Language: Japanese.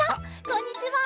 こんにちは！